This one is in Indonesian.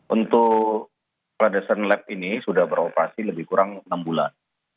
untuk fladasan lab ini sudah beroperasi lebih kurang enam bulan